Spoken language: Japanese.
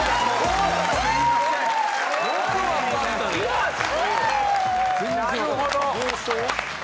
よし！